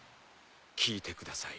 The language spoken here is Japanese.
聴いてください。